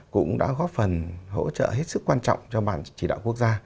cũng đã góp phần hỗ trợ hết sức quan trọng cho bản chỉ đạo quốc gia